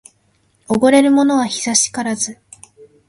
おごれるものは久しからず